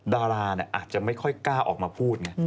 ดาราอาจจะไม่ค่อยกล้าออกมาพูดไง